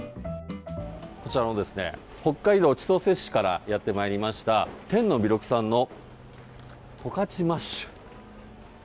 こちらの北海道千歳市からやってまいりました天のびろくさんのとかちマッシュ。